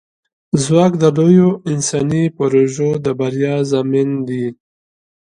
ځواک د لویو انساني پروژو د بریا ضامن دی.